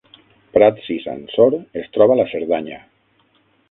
Prats i Sansor es troba a la Cerdanya